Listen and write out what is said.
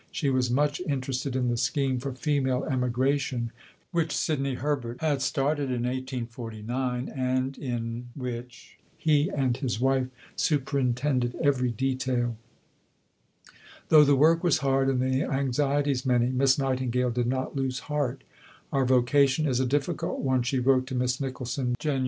She was much interested in the scheme for Female Emigration, which Sidney Herbert had started in 1849, and in which he and his wife superintended every detail. See Stanmore, vol. i. pp. 111 120. Though the work was hard and the anxieties many, Miss Nightingale did not lose heart. "Our vocation is a difficult one," she wrote to Miss Nicholson (Jan.